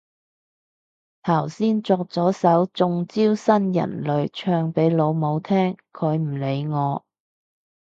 頭先作咗首中招新人類唱俾老母聽，佢唔理我